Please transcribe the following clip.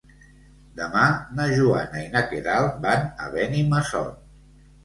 Demà na Joana i na Queralt van a Benimassot.